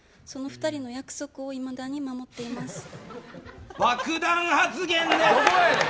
その人との約束をいまだに守っています。